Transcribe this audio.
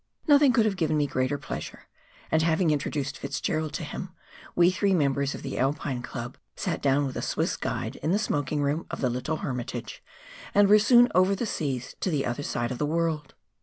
Nothing could have given me greater pleasure, and having introduced Fitzgerald to him, we three members of the Alpine Club sat down with a Swiss guide in the smoking room of the little Hermitage, and were soon over the seas to the other side of the world.